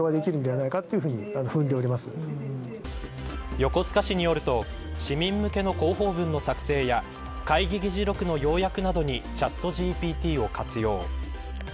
横須賀市によると市民向けの広報文の作成や会議議事録の要約などにチャットＧＰＴを活用。